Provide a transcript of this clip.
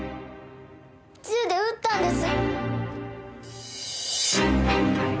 銃で撃ったんです！